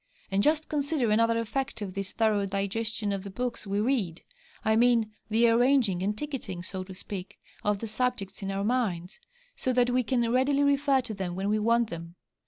And just consider another effect of this thorough digestion of the books we read; I mean the arranging and 'ticketing,' so to speak, of the subjects in our minds, so that we can readily refer to them when we want them.